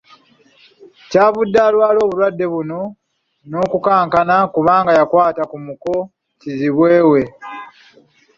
"Kyavudde alwala obulwadde buno, n’okukankana kubanga yakwata ku muko kizibwe we."